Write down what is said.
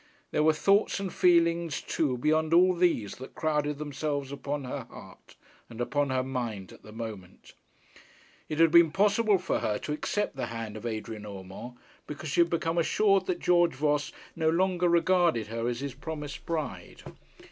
There were thoughts and feelings too beyond all these that crowded themselves upon her heart and upon her mind at the moment. It had been possible for her to accept the hand of Adrian Urmand because she had become assured that George Voss no longer regarded her as his promised bride.